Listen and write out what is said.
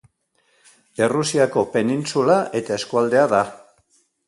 Errusiako penintsula eta eskualdea da.